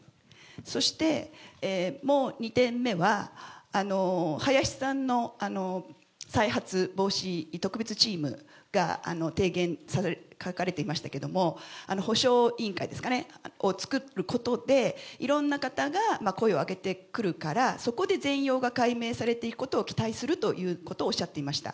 そして、もう２点目は、林さんの再発防止特別チームが提言、書かれていましたけれども、補償委員会ですかね、を作ることで、いろんな方が声を上げてくるから、そこで全容が解明されていくことを期待するということをおっしゃっていました。